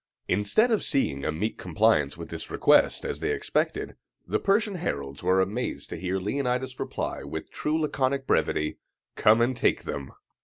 Instead of seeing a meek compliance with this request, as they expected, the Persian heralds were amazed to hear Leonidas reply with true laconic brevity, "Come and take them!"